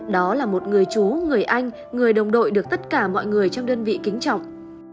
đó là một người chú người anh người đồng đội được tất cả mọi người trong đơn vị kính trọng